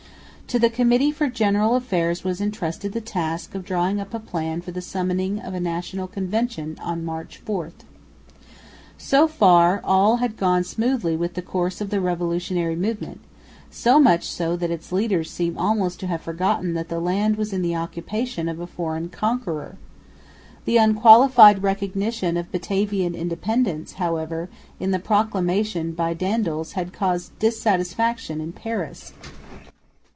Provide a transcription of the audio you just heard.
To the Committee for General Affairs was entrusted the task of drawing up a plan for the summoning of a National Convention on March 4. So far all had gone smoothly with the course of the revolutionary movement, so much so that its leaders seem almost to have forgotten that the land was in the occupation of a foreign conqueror. The unqualified recognition of Batavian independence, however, in the proclamation by Daendels had caused dissatisfaction in Paris.